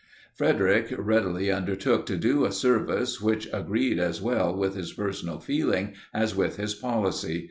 Frederic readily undertook to do a service, which agreed as well with his personal feeling as with his policy.